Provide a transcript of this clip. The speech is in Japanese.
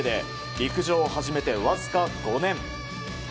陸上を始めて、わずか５年。